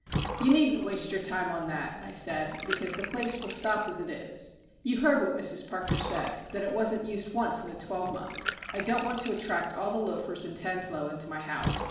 "You needn't waste your time on that," I said, "because the place will stop as it is. You heard what Mrs Parker said that it wasn't used once in a twelvemonth. I don't want to attract all the loafers in Tanslowe into my house.